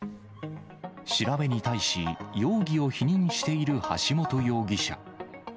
調べに対し、容疑を否認している橋本容疑者。